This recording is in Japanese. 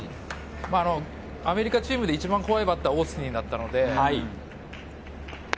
アメリカチームで一番怖いバッターはオースティンだったので。